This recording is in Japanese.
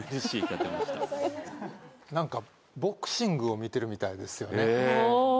何かボクシングを見てるみたいですよね。